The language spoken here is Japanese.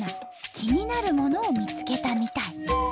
気になるものを見つけたみたい。